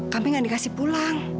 kami nggak dikasih pulang